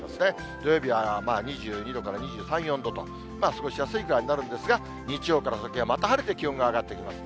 土曜日は２２度から２３、４度と、過ごしやすいぐらいになるんですが、日曜から先はまた晴れて気温が上がってきます。